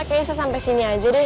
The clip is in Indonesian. kayaknya saya sampai sini aja deh